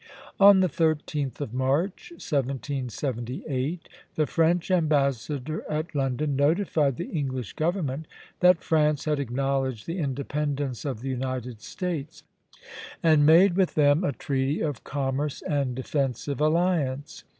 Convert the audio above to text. On the 13th of March, 1778, the French ambassador at London notified the English government that France had acknowledged the independence of the United States, and made with them a treaty of commerce and defensive alliance.